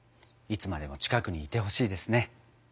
いつまでも近くにいてほしいですね。